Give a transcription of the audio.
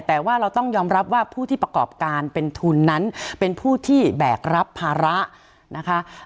แต่ว่าเราต้องยอมรับว่าผู้ที่ประกอบการเป็นทุนนั้นเป็นผู้ที่แบกรับภาระนะคะ